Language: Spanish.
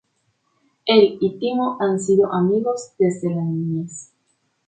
Él y T:mo han sido amigos desde la niñez.